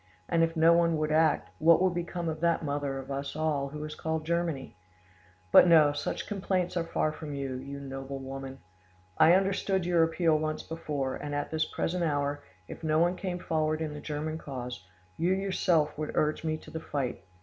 And if no one would act, what would become of that mother of us all who is called Germany? "But no; such complaints are far from you, you noble woman! I understood your appeal once before, and at this present hour, if no one came forward in the German cause, you yourself would urge me to the fight.